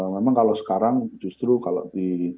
memang kalau sekarang justru kalau di